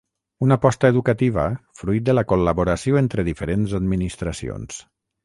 Una aposta educativa fruit de la col·laboració entre diferents administracions.